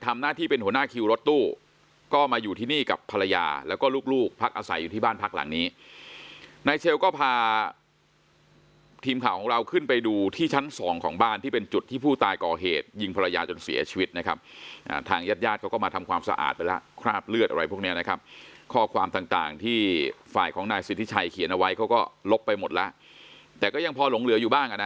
อาศัยอยู่ที่บ้านพักหลังนี้นายเชลก็พาทีมข่าวของเราขึ้นไปดูที่ชั้นสองของบ้านที่เป็นจุดที่ผู้ตายก่อเหตุยิงภรรยาจนเสียชีวิตนะครับอ่าทางญาติญาติเขาก็มาทำความสะอาดไปแล้วคราบเลือดอะไรพวกเนี้ยนะครับข้อความต่างต่างที่ฝ่ายของนายสิทธิชัยเขียนเอาไว้เขาก็ลบไปหมดแล้วแต่ก็ยังพอหลงเหลือ